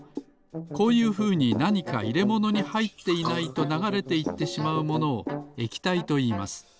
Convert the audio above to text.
こういうふうになにかいれものにはいっていないとながれていってしまうものを液体といいます。